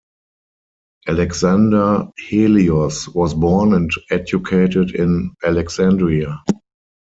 Alexander Helios was born and educated in Alexandria.